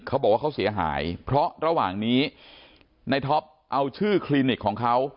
เขาบอกว่าเขาเสียหายเพราะระหว่างนี้ในท็อปเอาชื่อคลินิกของเขา